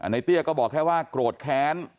เตี้ยก็บอกแค่ว่าโกรธแค้น